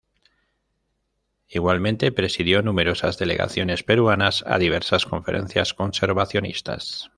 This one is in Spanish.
Igualmente presidio numerosas delegaciones peruanas a diversas conferencias conservacionistas.